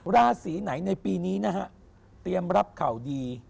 ราศีไหนในปีนี้นะฮะเตรียมรับข่าวดี